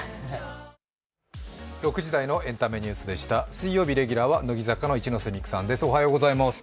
水曜日レギュラーは乃木坂の一ノ瀬美空さんです。